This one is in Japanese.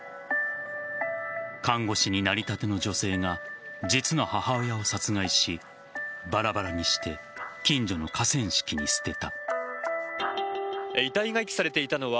看護師になりたての女性が実の母親を殺害しバラバラにして近所の河川敷に捨てた。